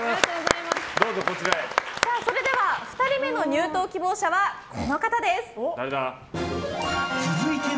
２人目の入党希望者はこの方です。